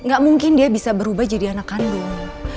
gak mungkin dia bisa berubah jadi anak kandung